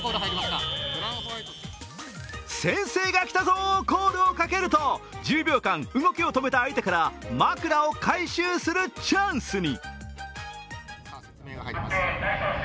先生が来たぞぉコールをかけると１０秒間動きを止めた相手から枕を回収するチャンスに。